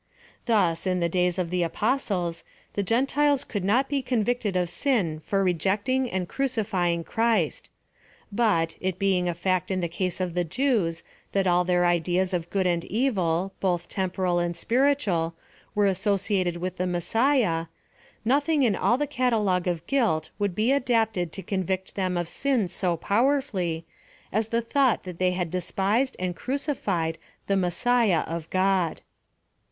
Thus, in the days of the apostles, the Gentiles could not be convicted of sin for rejecting and crucifying Christ ; but, it being a fact in the case of the Jews, that all their ideas of good and evil, both temporal and spiritual, were associated with the Messiah, nothing in all the catalogue of guilt would be adapted to convict them of sin so powerfully, as the thought that they had despised and crucified the Messiah of God.